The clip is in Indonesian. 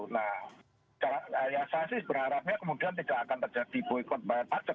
saya sih berharapnya kemudian tidak akan terjadi boykot pajak